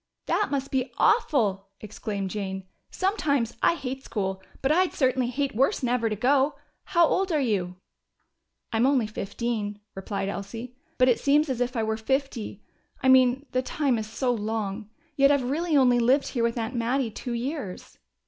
"That must be awful!" exclaimed Jane. "Sometimes I hate school, but I'd certainly hate worse never to go. How old are you?" "I'm only fifteen," replied Elsie. "But it seems as if I were fifty. I mean the time is so long. Yet I've really only lived here with Aunt Mattie two years."